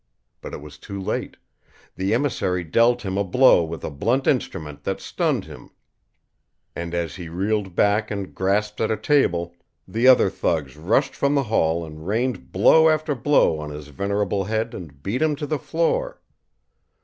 But it was too late. The emissary dealt him a blow with a blunt instrument that stunned him and, as he reeled back and grasped at a table, the other thugs rushed from the hall and rained blow after blow on his venerable head and beat him to the floor.